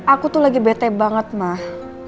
aku tuh lagi bete banget mah